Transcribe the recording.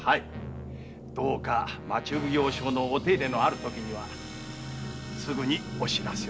どうか町奉行所のお手入れのあるときにはすぐお報せを。